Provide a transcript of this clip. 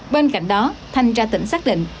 bên cạnh đó thanh ra tỉnh xác định